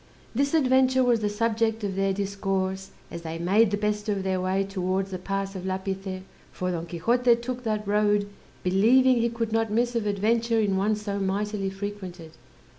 This adventure was the subject of their discourse, as they made the best of their way towards the pass of Lapice, for Don Quixote took that road, believing he could not miss of adventure in one so mightily frequented.